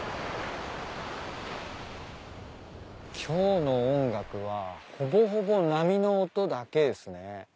今日の音楽はほぼほぼ波の音だけですね。